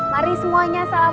mari semuanya assalamualaikum